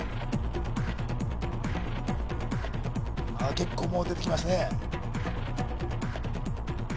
結構もう出てきましたね